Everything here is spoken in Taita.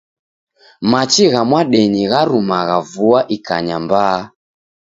Machi gha mwadenyi gharumagha vua ikanya mbaa.